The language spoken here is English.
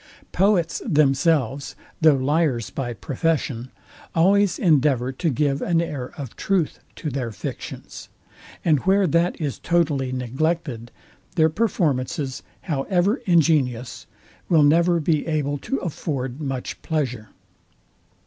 Poets themselves, though liars by profession, always endeavour to give an air of truth to their fictions; and where that is totally neglected, their performances, however ingenious, will never be able to afford much pleasure.